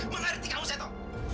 mengerti kamu seto